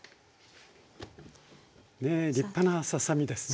ねえ立派なささ身ですね。